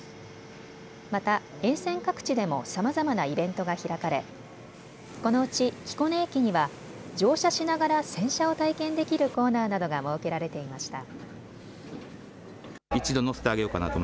また沿線各地でもさまざまなイベントが開かれこのうち彦根駅には乗車しながら洗車を体験できるコーナーなどが設けられていました。